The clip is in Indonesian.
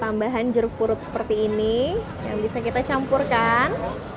tambahan jeruk purut seperti ini yang bisa kita campurkan